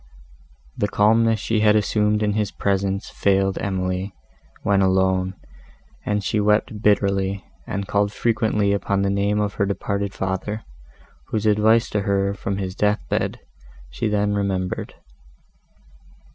The calmness she had assumed in his presence failed Emily, when alone, and she wept bitterly, and called frequently upon the name of her departed father, whose advice to her from his death bed she then remembered.